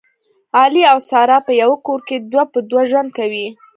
علي او ساره په یوه کور کې دوه په دوه ژوند کوي